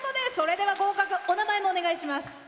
それでは、合格お名前もお願いします。